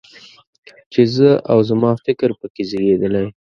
چې زه او زما فکر په کې زېږېدلی.